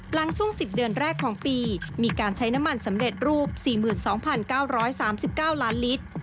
หลังช่วง๑๐เดือนแรกของปีมีการใช้น้ำมันสำเร็จรูป๔๒๙๓๙ล้านลิตร